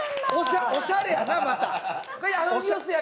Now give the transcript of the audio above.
おしゃれやな、また！